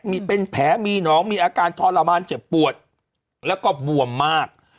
มีเป็นแผลมีน้องมีอาการทรมานเจ็บปวดแล้วก็บวมมาก